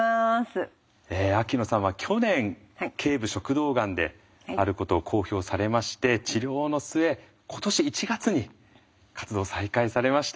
秋野さんは去年頸部食道がんであることを公表されまして治療の末今年１月に活動再開されました。